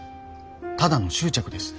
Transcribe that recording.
ただの執着です。